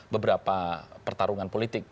beberapa pertarungan politik